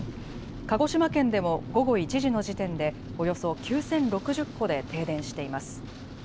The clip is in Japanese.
鹿児島県でも午後１時の時点でおよそ９０６０戸で停電しています。